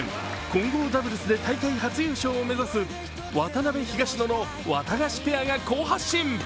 混合ダブルスで大会初優勝を目指す渡辺・東野のワタガシペアが発進。